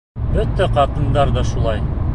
Бөтә ҡатындар ҙа шулай.